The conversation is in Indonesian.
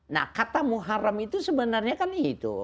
nah kata muharam itu sebenarnya kan itu